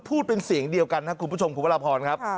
พูดเป็นเสียงเดียวกันครับคุณผู้ชมคุณพระราพรครับ